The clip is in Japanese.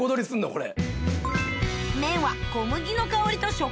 これ。